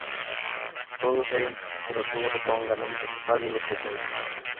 Todos ceden, pero todos acaban ganando más de lo que ceden.